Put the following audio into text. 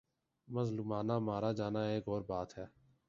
مظلومانہ مارا جانا ایک اور بات ہے۔